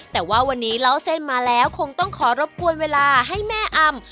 แต่ว่าวันนี้เล่าเส้นมาแล้วคงต้องขอรบกวนเวลาให้แม่อำ